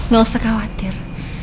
gak usah khawatir